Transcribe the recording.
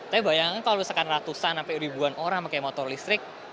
tapi bayangkan kalau misalkan ratusan sampai ribuan orang pakai motor listrik